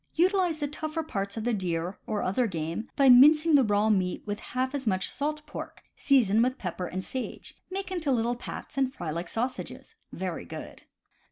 — Utilize the tougher parts of the deer, or other game, by mincing the raw meat with half as much salt pork, season with pepper and sage, make into little pats, and fry like sausages. Very good.